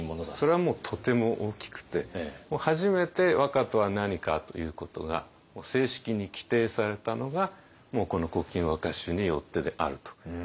それはもうとても大きくて初めて和歌とは何かということが正式に規定されたのがこの「古今和歌集」によってであると。